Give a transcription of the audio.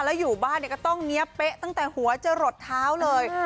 แล้วอยู่บ้านเนี่ยก็ต้องเงี้ยเป๊ะตั้งแต่หัวจะหลดเท้าเลย